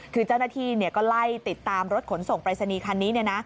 คือเจ้าหน้าที่ก็ไล่ติดตามรถขนส่งปรายศนีย์คันนี้